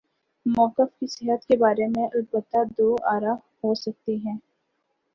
موقف کی صحت کے بارے میں البتہ دو آرا ہو سکتی ہیں۔